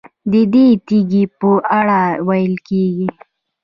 ددې تیږې په اړه ویل کېږي.